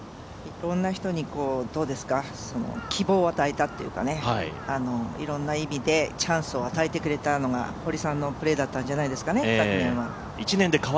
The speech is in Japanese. いろんな人に、希望を与えたっていうかね、いろんな意味でチャンスを与えてくれたのが堀さんのプレーだったんじゃないですかね、昨年は。